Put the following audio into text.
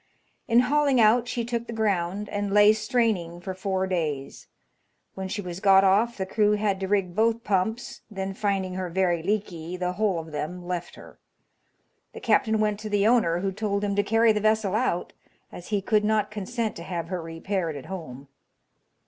In hauling out she took the ground, and lay straining for four days. When she was got off the crew had to rig both pumps, then, finding her very leaky, the whole of them left her. The captain went to the owner, who told him to carry the vessel out, as he could not consent to have her repaired at home.